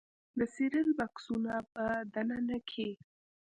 د سیریل بکسونو په دننه کې